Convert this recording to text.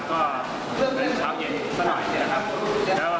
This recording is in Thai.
ก็อยู่เช้าเย็นเที่ยวหน่อยนะครับ